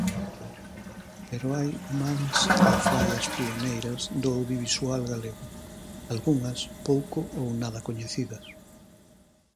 Pero hai máis alfaias pioneiras do audiovisual galego, algunhas pouco ou nada coñecidas.